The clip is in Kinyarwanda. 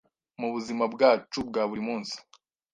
mu buzima bwacu bwa buri munsi,